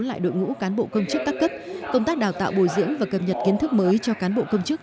lại đội ngũ cán bộ công chức các cấp công tác đào tạo bồi dưỡng và cập nhật kiến thức mới cho cán bộ công chức